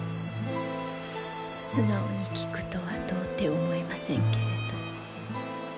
素直に聞くとは到底思えませんけれど。